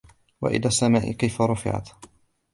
وإلى السماء كيف رفعت